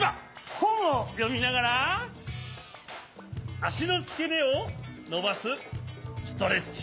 ほんをよみながらあしのつけねをのばすストレッチ。